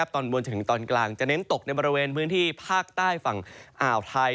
ตอนบนจนถึงตอนกลางจะเน้นตกในบริเวณพื้นที่ภาคใต้ฝั่งอ่าวไทย